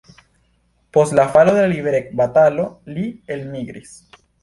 Post la falo de la liberecbatalo li elmigris.